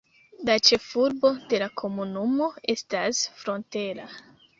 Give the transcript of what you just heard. La ĉefurbo de la komunumo estas Frontera.